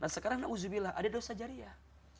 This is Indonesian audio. nah sekarang na'udzubillah ada dosa jariah